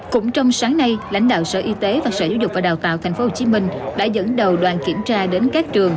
cũng trong sáng nay lãnh đạo sở y tế và sở giáo dục và đào tạo thành phố hồ chí minh đã dẫn đầu đoàn kiểm tra đến các trường